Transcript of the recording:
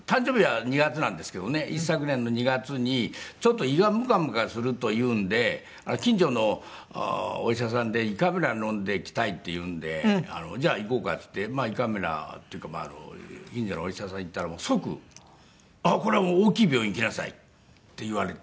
一昨年の２月にちょっと胃がムカムカするというんで近所のお医者さんで胃カメラ飲んできたいっていうんでじゃあ行こうかっていって胃カメラっていうか近所のお医者さん行ったら即「これは大きい病院行きなさい」って言われて。